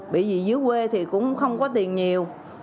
bởi vì dưới quê thì cũng không có tiền nhiều